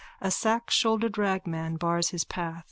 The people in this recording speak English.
A sackshouldered ragman bars his path.